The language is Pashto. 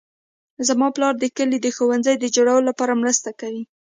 زما پلار د کلي د ښوونځي د جوړولو لپاره مرسته کوي